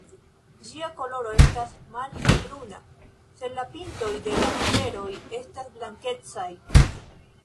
Ĝia koloro estas malhel-bruna sed la pintoj de la tuberoj estas blankecaj.